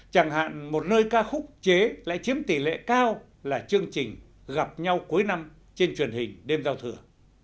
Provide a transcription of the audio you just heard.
chẳng hạn một nơi ca khúc chế lại chiếm tỷ lệ cao là chương trình gặp nhau cuối năm trên truyền hình đêm giao thừa